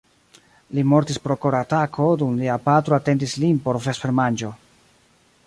Li mortis pro koratako dum lia patro atendis lin por vespermanĝo.